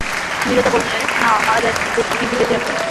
নীরজা বললে, না, মারা যায় নি, দিব্যি বেঁচে আছে।